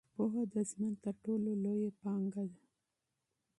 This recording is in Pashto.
پوهه د ژوند تر ټولو لویه پانګه ده.